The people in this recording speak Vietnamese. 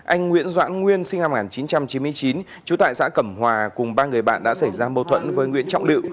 anh nguyễn doãn nguyên sinh năm một nghìn chín trăm chín mươi chín trú tại xã cẩm hòa cùng ba người bạn đã xảy ra mâu thuẫn với nguyễn trọng lự